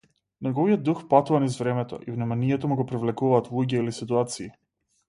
Неговиот дух патува низ времето и вниманието му го привлекуваат луѓе или ситуации.